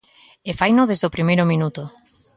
E faino desde o primeiro minuto.